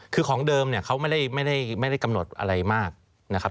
คือของเดิมเนี่ยเขาไม่ได้กำหนดอะไรมากนะครับ